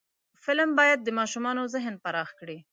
فلم باید د ماشومانو ذهن پراخ کړي